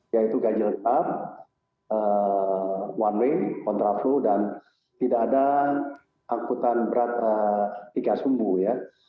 yaitu gaji lengkap one way kontra flu dan tidak ada angkutan berat tiga sumbu ya